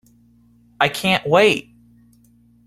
I can't wait!